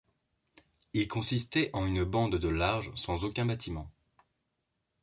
Il consistait en une bande de de large sans aucun bâtiment.